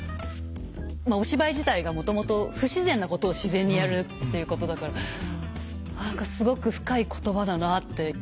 お芝居自体がもともと不自然なことを自然にやるっていうことだから何かすごく深い言葉だなって。